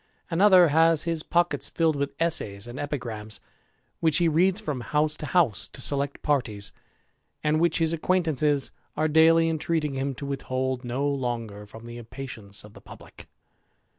Another has his pockets filled with essays and epigrams, which he reads from house to house to select parties, and which his acquaintances are daily entreating him to withhold no longer firom the impatience of the publick.